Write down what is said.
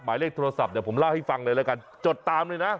หมายเลขโทรศัพท์เดี๋ยวผมเล่าให้ฟังเลยแล้วกันจดตามเลยนะ